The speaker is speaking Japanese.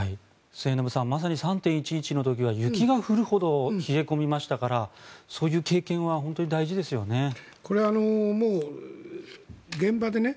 末延さんまさに３・１１の時は雪が降るほど冷え込みましたからそういう経験は本当に大事ですよね。